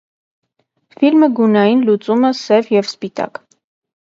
Ֆիլմը գունային լուծումը՝ սև և սպիտակ։